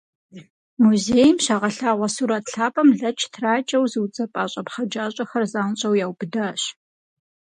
Музейм щагъэлъагъуэ сурэт лъапӏэм лэч тракӏэу зыуцӏэпӏа щӏэпхъэджащӏэхэр занщӏэу яубыдащ.